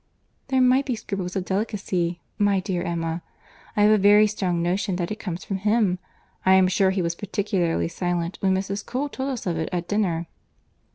"There might be scruples of delicacy, my dear Emma. I have a very strong notion that it comes from him. I am sure he was particularly silent when Mrs. Cole told us of it at dinner."